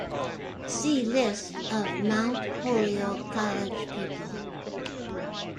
See List of Mount Holyoke College people.